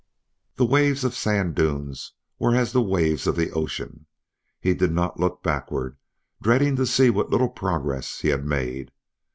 The waves of the sand dunes were as the waves of the ocean. He did not look backward, dreading to see what little progress he had made.